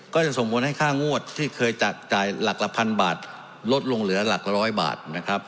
ก็จะส่งผลให้ค่างวดที่เคยจ่ายหลักละพันบาทลดลงเหลือหลักร้อยบาทนะครับ